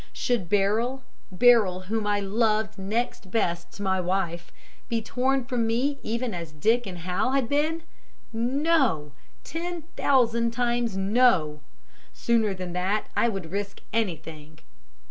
Should Beryl Beryl whom I loved next best to my wife be torn from me even as Dick and Hal had been? No! Ten thousand times no! Sooner than that I would risk anything.